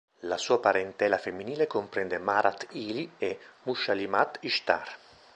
La sua parentela femminile comprende Marat-ili e Mushallimat-Ishtar.